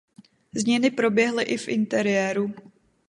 Změny proběhly i v interiéru.